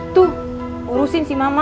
tuh urusin si mama